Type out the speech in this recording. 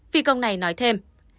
phi công này nói thêm